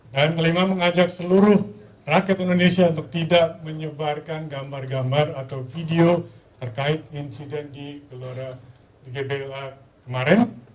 kelima mengajak seluruh rakyat indonesia untuk tidak menyebarkan gambar gambar atau video terkait insiden di gelora gba kemarin